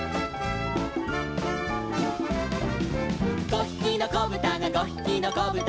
「５ひきのこぶたが５ひきのこぶたが」